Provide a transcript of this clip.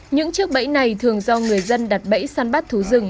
những chiếc bẫy này thường do người dân đặt bẫy săn bắt thú rừng